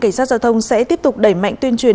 cảnh sát giao thông sẽ tiếp tục đẩy mạnh tuyên truyền